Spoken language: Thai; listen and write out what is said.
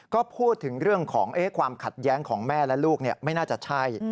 ก็พูดถึงเรื่องของความขัดแย้งของแม่และลูกไม่น่าจะใช่